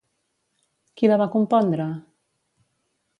Qui la va compondre?